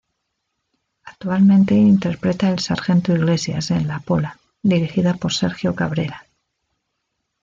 Actualmente interpreta el Sargento Iglesias en "La Pola", dirigida por Sergio Cabrera.